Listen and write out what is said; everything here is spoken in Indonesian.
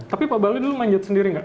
tapi pak bahlil dulu manjat sendiri nggak